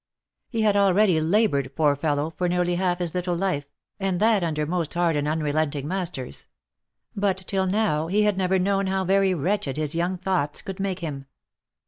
He had already laboured, poor fellow, for nearly half his little life, 184 THE LIFE AND ADVENTURES and that under most hard and unrelenting masters; but till now, he had never known how very wretched his young thoughts could make him.